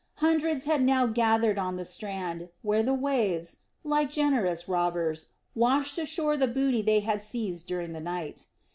Hundreds had now gathered on the strand, where the waves, like generous robbers, washed ashore the booty they had seized during the night.